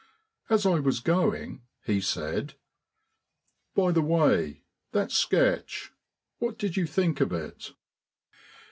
As I was going he said: "By the way, that sketch what did you think of it?"